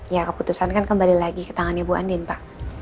ya keputusan kan kembali lagi ke tangannya bu andien pak